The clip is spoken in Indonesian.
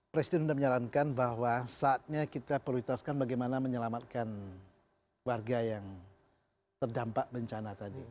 presiden sudah menyarankan bahwa saatnya kita prioritaskan bagaimana menyelamatkan warga yang terdampak bencana tadi